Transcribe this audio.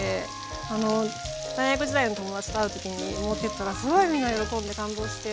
あの大学時代の友達と会う時に持ってったらすごいみんな喜んで感動して。